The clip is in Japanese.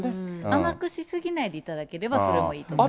甘くし過ぎないでいただければ、それはいいと思います。